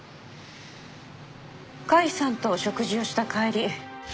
甲斐さんと食事をした帰り。